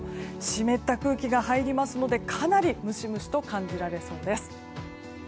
湿った空気が入りますのでかなりムシムシと感じられそうです。